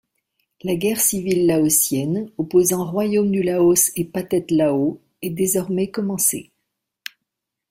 La guerre civile laotienne, opposant Royaume du Laos et Pathet Lao, est désormais commencée.